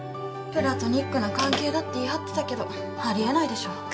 プラトニックな関係だって言い張ってたけどあり得ないでしょ。